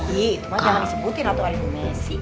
iya cuma jangan disebutin atau arimunisasi